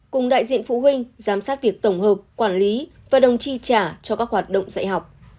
cùng đại diện phụ huynh giám sát việc tổng hợp quản lý và đồng chi trả cho các hoạt động dạy học